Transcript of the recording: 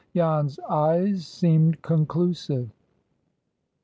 Jan's eyes seemed conclusive.